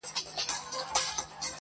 نه مو زخم ته مرهم دي پیدا کړي -